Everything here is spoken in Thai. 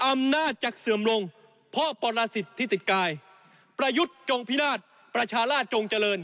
อำนาจจะเสื่อมลงเพราะปรสิทธิ์ที่ติดกายประยุทธ์จงพิราชประชาราชจงเจริญ